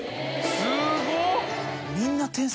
すごっ！